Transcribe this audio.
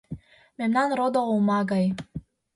Мемнан родо олма гай.